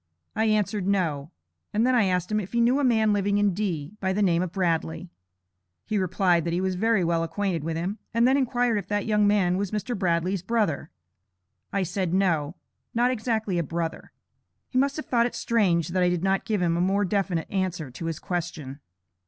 I answered, no; and then I asked him, if he knew a man living in D., by the name of Bradley. He replied that he was very well acquainted with him, and then inquired if that young man was Mr. Bradley's brother. I said, no not exactly a brother. He must have thought it strange that I did not give him a more definite answer to his question.